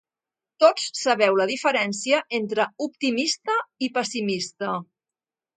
Tots sabeu la diferència entre optimista i pessimista.